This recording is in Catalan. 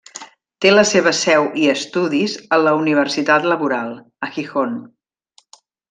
Té la seva seu i estudis a la Universitat Laboral, a Gijón.